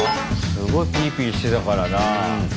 すごいピリピリしてたからな。